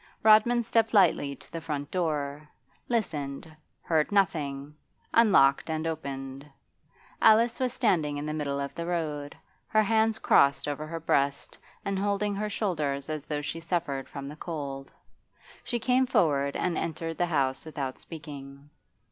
Rodman stepped lightly to the front door, listened, heard nothing, unlocked and opened. Alice was standing in the middle of the road, her hands crossed over her breast and holding her shoulders as though she suffered from the cold. She came forward and entered the house without speaking.